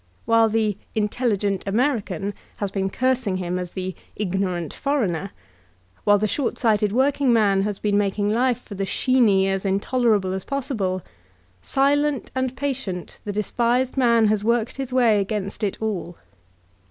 While the "intelligent American" has been cursing him as the ''ignorant foreigner/' while the short sighted workingman has been making life for the "sheeny" as intolerable as possible, silent and patient the despised man has worked his way against it all.